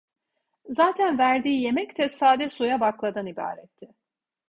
Zaten verdiği yemek de sade suya bakladan ibaretti.